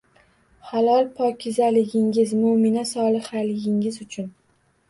– Halol-pokizaligingiz, mo‘mina, solihaligingiz uchun.